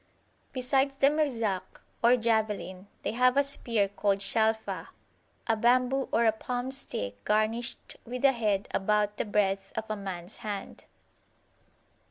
[FN#43] Besides the Mirzak, or javelin, they have a spear called Shalfah, a bamboo or a palm stick garnished with a head about the breadth of a mans hand.